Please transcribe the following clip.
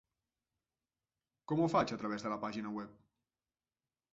Com ho faig a través de la pàgina web?